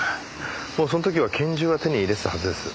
もうその時は拳銃は手に入れてたはずです。